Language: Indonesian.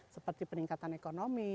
seperti peningkatan ekonomi